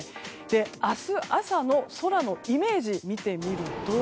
明日朝の空のイメージを見てみると。